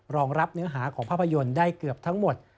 รองรับเนื้อหาของภาพยนตร์ได้เกือบทั้งหมด